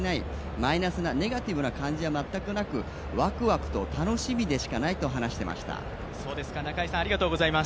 マイナスな、ネガティブな感じは全くなくワクワク、楽しみでしかないと話していました。